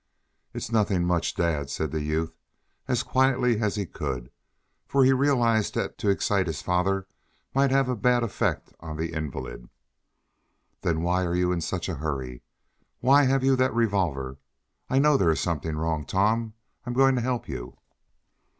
"It's nothing much, dad," said the youth, as quietly as he could, for he realized that to excite his father might have a bad effect on the invalid. "Then why are you in such a hurry? Why have you that revolver? I know there is something wrong, Tom. I am going to help you!"